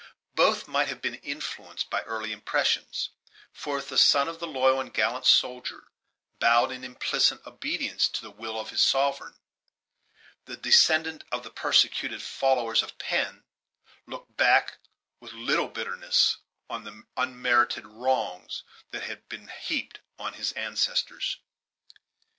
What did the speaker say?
Both might have been influenced by early impressions; for, if the son of the loyal and gallant soldier bowed in implicit obedience to the will of his sovereign, the descendant of the persecuted followers of Penn looked back with a little bitterness to the unmerited wrongs that had been heaped upon his ancestors.